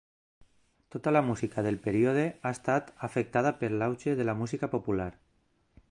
Tota la música del període ha estat afectada per l'auge de la música popular.